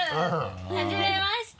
はじめまして！